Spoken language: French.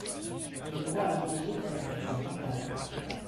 Le droit à l’IVG est un droit fondamental.